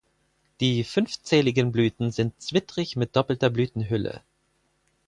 Die fünfzähligen Blüten sind zwittrig mit doppelter Blütenhülle.